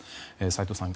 斎藤さん